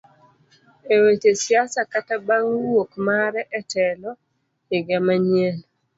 Eweche siasa kata bang wuok mare etelo iga manyien.